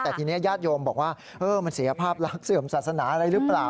แต่ทีนี้ญาติโยมบอกว่ามันเสียภาพลักษณ์เสื่อมศาสนาอะไรหรือเปล่า